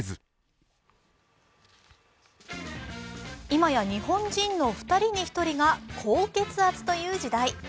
今や日本人の２人に１人が高血圧という時代。